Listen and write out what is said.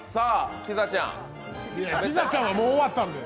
ピザちゃんはもう終わったんで！